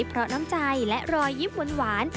เพราะน้ำใจและรอยยิ้มหวาน